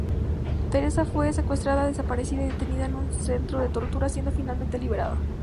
Teresa fue secuestrada-desaparecida y detenida en un centro de tortura, siendo finalmente liberada.